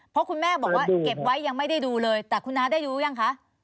เพราะคุณแม่บอกว่าเก็บไว้ยังไม่ได้ดูเลยแต่คุณน้าได้รู้ยังคะ